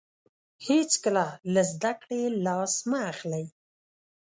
هیڅکله له زده کړې لاس مه اخلئ.